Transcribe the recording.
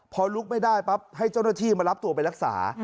พอลุกไม่ได้ปั๊บให้เจ้าหน้าที่มารับตัวไปรักษา